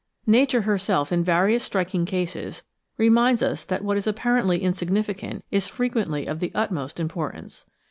Nature herself, in various striking cases, reminds us that what is apparently insignificant is frequently of the utmost importance.